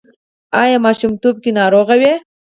ایا ماشومتوب کې ناروغه وئ؟